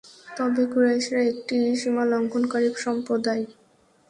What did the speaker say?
তবে কুরাইশরা একটি সীমালঙ্ঘলকারী সম্প্রদায়।